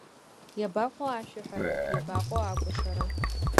Иабаҟоу ашәаҳәара, иабаҟоу акәашара?